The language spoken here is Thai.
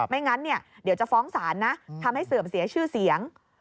งั้นเดี๋ยวจะฟ้องศาลนะทำให้เสื่อมเสียชื่อเสียง